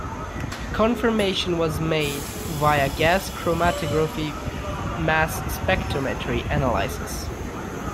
Confirmation was made via gas chromatography-mass spectrometry analysis.